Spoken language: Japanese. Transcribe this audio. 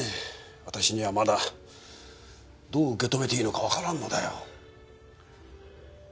私にはまだどう受け止めていいのかわからんのだよ。